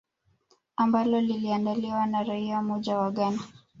ambalo liliandaliwa na raia mmoja wa ghana